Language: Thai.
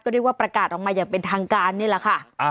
เรียกว่าประกาศออกมาอย่างเป็นทางการนี่แหละค่ะ